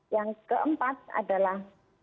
yang keempat adalah